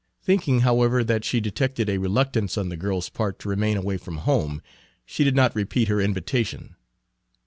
Thinking, however, that she detected a reluctance on the girl's part to remain away from home, she did not repeat her invitation.